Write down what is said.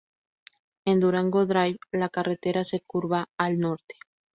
En Durango Drive, la carretera se curva al norte.